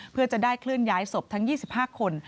เพื่อจะได้เคลื่อนย้ายศพทั้ง๒๕คน